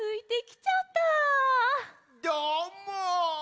どーも。